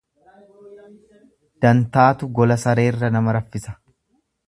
Dantaatu gola sareerra nama raffisa.